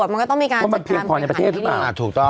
มันก็ต้องมีการจัดการไก่ขาตลาดที่ดี